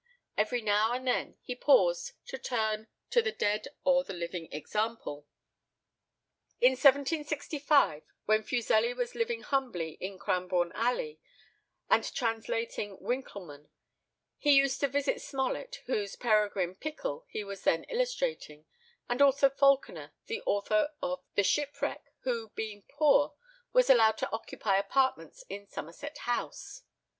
Every now and then he paused, to turn to the dead or the living example. In 1765, when Fuseli was living humbly in Cranbourn Alley, and translating Winckelmann, he used to visit Smollett, whose Peregrine Pickle he was then illustrating; and also Falconer, the author of The Shipwreck, who, being poor, was allowed to occupy apartments in Somerset House.